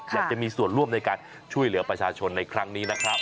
อยากจะมีส่วนร่วมในการช่วยเหลือประชาชนในครั้งนี้นะครับ